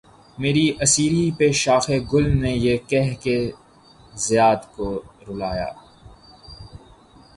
مری اسیری پہ شاخِ گل نے یہ کہہ کے صیاد کو رلایا